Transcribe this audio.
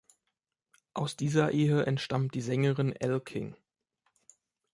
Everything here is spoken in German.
Aus dieser Ehe entstammt die Sängerin Elle King.